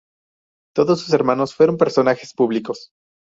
Todos sus hermanos fueron personajes públicos.